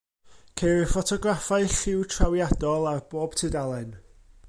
Ceir ffotograffau lliw trawiadol ar bob tudalen.